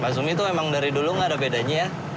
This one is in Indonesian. pak sumi tuh emang dari dulu nggak ada bedanya ya